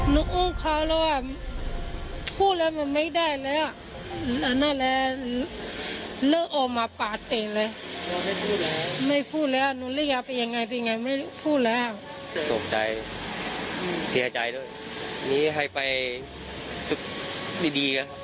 นี่หายไปสุดดีแล้วครับ